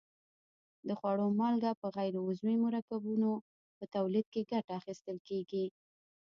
د خوړو مالګه په غیر عضوي مرکبونو په تولید کې ګټه اخیستل کیږي.